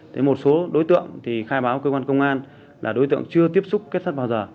thế một số đối tượng thì khai báo cơ quan công an là đối tượng chưa tiếp xúc kết sát bao giờ